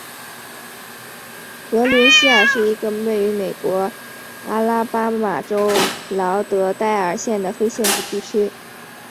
格林希尔是一个位于美国阿拉巴马州劳德代尔县的非建制地区。